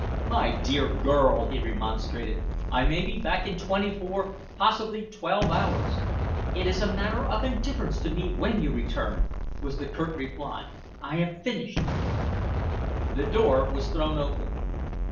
"My dear girl!" he remonstrated. "I may be back in twenty four possibly twelve hours." "It is a matter of indifference to me when you return," was the curt reply. "I have finished." The door was thrown open.